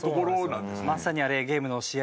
まさにあれゲームの試合